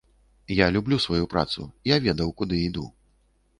Я люблю сваю працу, я ведаў, куды іду.